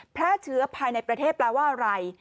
แพร่เชื้อภายในประเทศแปลว่าอะไร